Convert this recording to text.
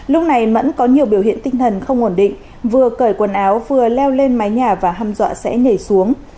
lúc này mẫn có nhiều biểu hiện tinh thần không ổn định vừa cởi quần áo vừa leo lên mái nhà và hâm dọa sẽ nhảy xuống